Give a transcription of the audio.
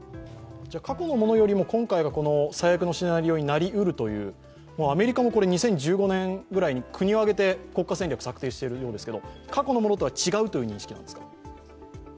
過去のものよりも今回は最悪のシナリオになりうるというアメリカも２０１５年くらいに、国を挙げてやってるんですが過去のものとは違うという認識ですか？